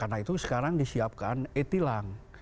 karena itu sekarang disiapkan e tilang